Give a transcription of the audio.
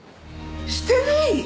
してない！？